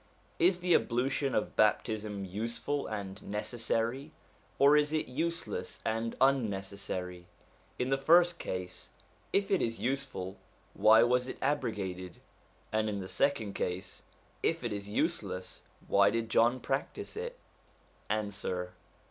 Is the ablution of baptism useful and necessary, or is it useless and unnecessary ? In the first case, if it is useful, why was it abrogated, and in the second case, if it is useless, why did John practise it ? Answer.